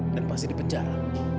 dan pasti di penjara